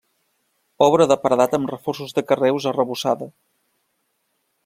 Obra de paredat amb reforços de carreus, arrebossada.